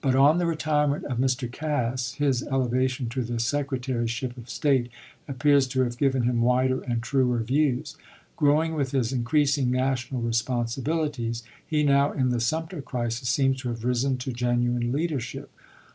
on the retirement of Mr. Cass, his elevation to vp's!q.e the Secretaryship of State appears to have given him wider and truer views. Growing with his increasing national responsibilities he now, in the Sumter crisis, seems to have risen to genuine leadership.